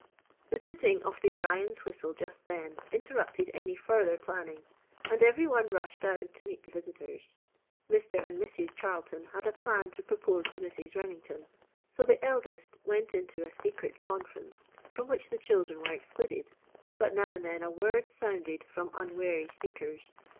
The tooting of the Orion's whistle just then, interrupted any further planning and every one rushed out to meet the visitors. Mr. and Mrs. Charlton had a plan to propose to Mrs. Remington, so the eldest went into a secret conference from which the children were excluded, but now and then a word sounded from unwary speakers.